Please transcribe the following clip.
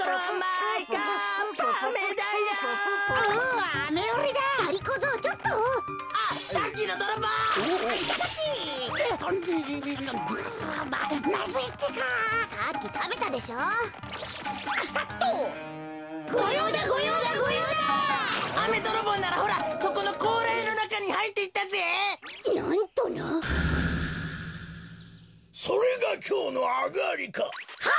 それがきょうのあがりか？